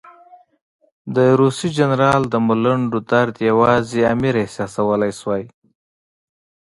د روسي جنرال د ملنډو درد یوازې امیر احساسولای شوای.